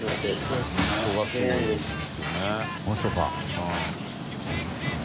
うん。